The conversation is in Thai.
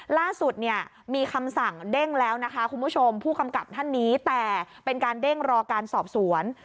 ล่าสุดเนี่ยมีคำสั่งเด้งแล้วนะคะคุณผู้ชมผู้กำกับท่านนี้แต่เป็นการเด้งรอการสอบสวน